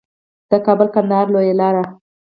د کابل کندهار لویه لار